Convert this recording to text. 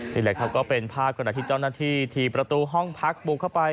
นี่แหละครับก็เป็นภาพขณะที่เจ้าหน้าที่ถี่ประตูห้องพักบุกเข้าไป